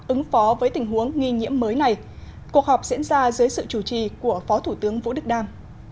ứng phó với tình huống nghi nhiễm mới này cuộc họp diễn ra dưới sự chủ trì của phó thủ tướng vũ đức đam